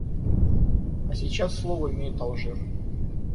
А сейчас слово имеет Алжир.